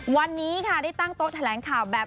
วันนี้ค่ะได้ตั้งโต๊ะแถลงข่าวแบบ